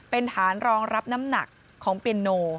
เป็นฐานรองรับน้ำหนักของเปียโน